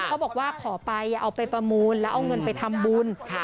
เขาบอกว่าขอไปเอาไปประมูลแล้วเอาเงินไปทำบุญ